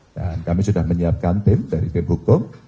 dan kami sudah menyiapkan tim dari tim hukum